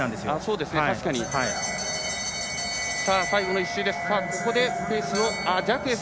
最後の１周です。